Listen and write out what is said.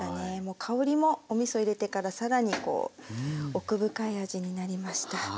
香りもおみそ入れてから更にこう奥深い味になりました。